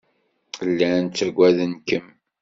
Llan ttagaden-kem.